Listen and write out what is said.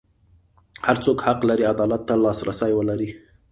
هر څوک حق لري عدالت ته لاسرسی ولري.